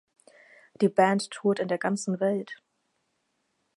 Die Band tourt in der ganzen Welt.